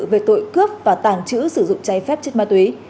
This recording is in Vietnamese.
về tội cướp và tàng trữ sử dụng trái phép chất ma túy